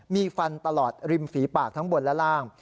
มีฟันตลอดริมฝีปากทั้งบนและล่าง